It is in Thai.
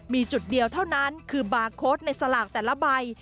มีจุดเดียวเท่านั้นคือบาร์โค้ดในสลากแต่ละใบ